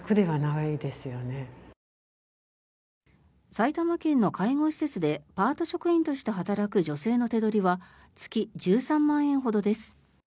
埼玉県の介護施設でパート職員として働く女性の手取りは月１３万円ほどです。